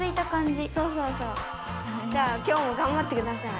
じゃあきょうも頑張ってください。